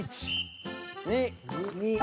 ２。